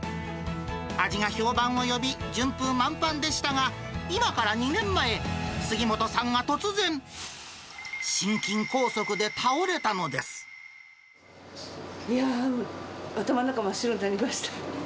味が評判を呼び、順風満帆でしたが、今から２年前、杉本さんが突然、いやー、頭の中真っ白になりました。